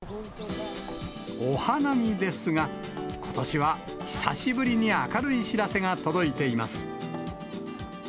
お花見ですが、ことしは久しぶりに明るい知らせが届いています。